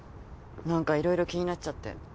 なんかいろいろ気になっちゃって。